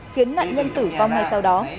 khiến nạn nhân tử vong hay sau đó